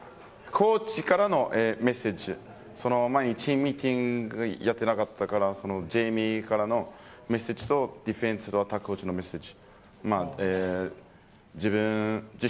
コーチからのメッセージ、その前にチームミーティングやってなかったから、ジェイミーからのメッセージとディフェンスコーチのメッセージ。